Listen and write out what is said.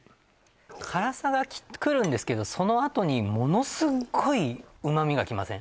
辛さはくるんですけどそのあとにものすごい旨味がきません？